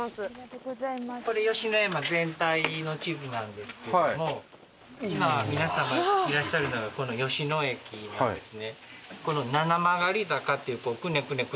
これ吉野山全体の地図なんですけども今皆さんがいらっしゃるのがこの吉野駅なんですね。